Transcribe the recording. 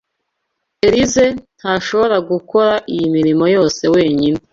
Elyse ntashobora gukora iyi mirimo yose wenyine.